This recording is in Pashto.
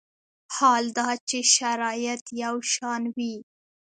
حال دا چې شرایط یو شان وي.